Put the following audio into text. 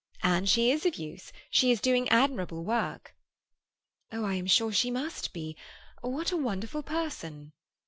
And she is of use. She is doing admirable work." "Oh, I am sure she must be! What a wonderful person!"